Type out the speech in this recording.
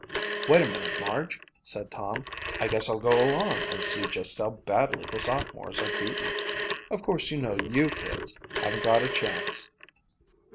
"Wait a minute, Marg," said Tom. "I guess I'll go along and see just how badly the sophomores are beaten. Of course you know you kids haven't got a chance."